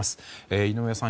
井上さん